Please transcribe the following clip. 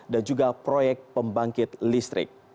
dan juga proyek pembangkit listrik